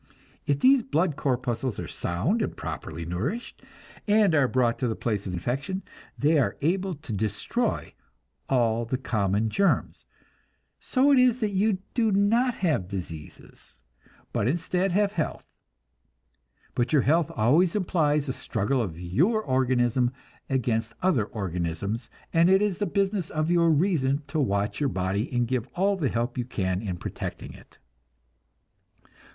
If these blood corpuscles are sound and properly nourished, and are brought to the place of infection, they are able to destroy all the common germs; so it is that you do not have diseases, but instead have health. But your health always implies a struggle of your organism against other organisms, and it is the business of your reason to watch your body and give all the help you can in protecting it.